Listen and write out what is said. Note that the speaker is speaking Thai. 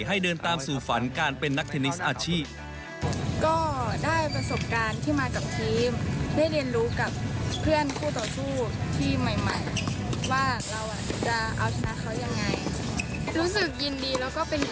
ให้เดินตามสู่ฝันการเป็นนักเทนนิสอาชีพ